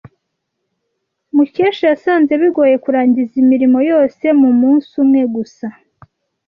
Mukesha yasanze bigoye kurangiza imirimo yose mumunsi umwe gusa.